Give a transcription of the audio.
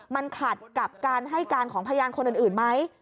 มันขัดกับการให้การของพยานคนอื่นไหม